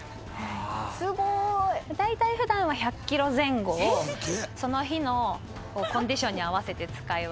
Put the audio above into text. すごい！大体普段は１００キロ前後をその日のコンディションに合わせて使い分けて。